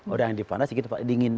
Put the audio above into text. orang yang di tempat yang dingin